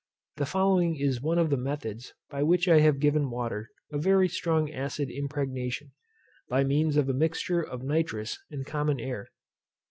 The following is one of the methods by which I have given water a very strong acid impregnation, by means of a mixture of nitrous and common air.